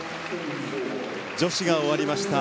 女子が終わりました。